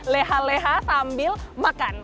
leha leha sambil makan